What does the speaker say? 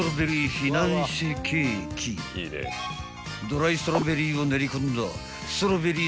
［ドライストロベリーを練り込んだ］